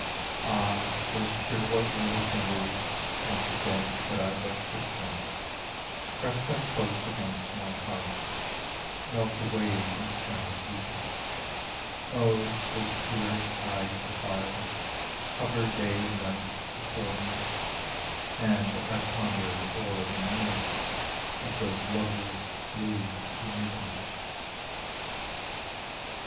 Ah, those pure white lily fingers, Once again could I but kiss them, Press them close against my heart, Melt away in silent weeping! Oh, those clearest eyes of violet Hover day and night before me, And I ponder o'er the meaning Of those lovely blue enigmas. XXXIV.